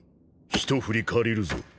一振り借りるぞ。